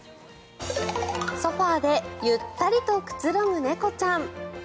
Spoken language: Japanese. ソファでゆったりとくつろぐ猫ちゃん。